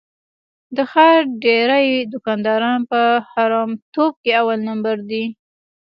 د ښار ډېری دوکانداران په حرامتوب کې اول لمبر دي.